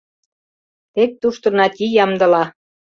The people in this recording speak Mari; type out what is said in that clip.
Тек тушто Нати ямдыла.